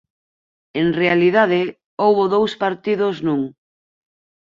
En realidade, houbo dous partidos nun.